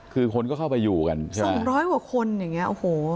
คือคนก็เข้าไปอยู่กันใช่ไหมร้อยกว่าคนอย่างเงี้โอ้โห